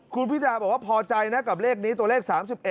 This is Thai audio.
คุณพิธาบอกว่าพอใจนะกับเลขนี้ตัวเลข๓๑